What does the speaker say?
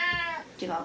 違う。